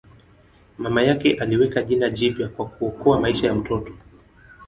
Mama yake aliweka jina jipya kwa kuokoa maisha ya mtoto.